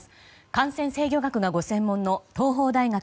感染制御学がご専門の東邦大学、